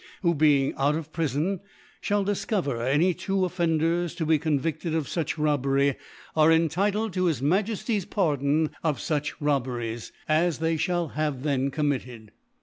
who, being. out of Prifon, (hall diicovcr any two Offenders, to be eonvi£l* ed of flich Robbery, are entitled to his Ma jefty's Pardon of fuch Robberies, &c* as* they (hall have then committed.